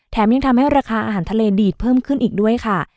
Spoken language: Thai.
ยังทำให้ราคาอาหารทะเลดีดเพิ่มขึ้นอีกด้วยค่ะ